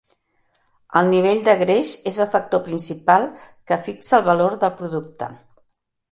El nivell de greix és el factor principal que fixa el valor del producte.